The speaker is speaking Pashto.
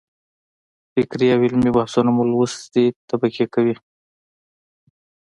فکري او علمي بحثونه مو لوستې طبقې کوي.